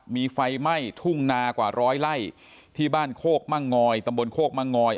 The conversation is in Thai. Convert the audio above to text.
มีไฟไหม้ทุ่งนากว่าร้อยไล่ที่บ้านโคกมั่งงอยตำบลโคกมังงอย